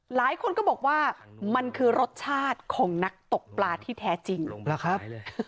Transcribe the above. หลายคนก็บอกว่ามันคือรสชาติของนักตกปลาที่แท้จริงเหรอครับ